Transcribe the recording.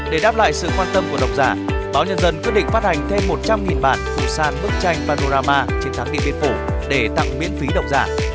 để đáp lại sự quan tâm của độc giả báo nhân dân quyết định phát hành thêm một trăm linh bản phụ sàn bức tranh panorama trên tháng điện biên phủ để tặng miễn phí độc giả